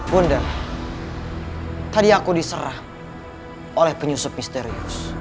bunda tadi aku diserang oleh penyusup misterius